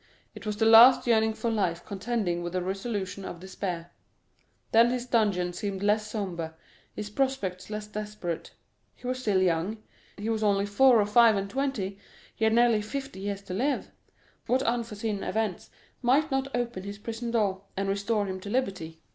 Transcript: It was the last yearning for life contending with the resolution of despair; then his dungeon seemed less sombre, his prospects less desperate. He was still young—he was only four or five and twenty—he had nearly fifty years to live. What unforseen events might not open his prison door, and restore him to liberty?